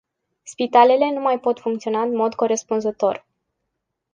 Spitalele nu mai pot funcționa în mod corespunzător.